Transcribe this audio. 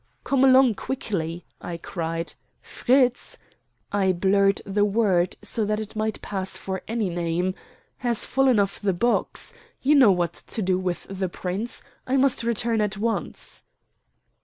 "Come along quickly," I cried. "Fritz" I blurred the word so that it might pass for any name "has fallen off the box. You know what to do with the Prince. I must return at once."